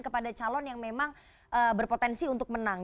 kepada calon yang memang berpotensi untuk menang